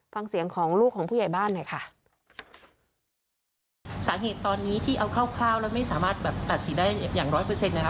ฟังเสียงของลูกของผู้ใหญ่บ้านหน่อยค่ะสาเหตุตอนนี้ที่เอาคร่าวคร่าวแล้วไม่สามารถแบบตัดสินได้อย่างร้อยเปอร์เซ็นต์นะคะ